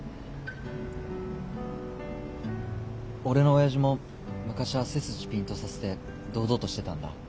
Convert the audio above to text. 俺の親父も昔は背筋ピンとさせて堂々としてたんだ。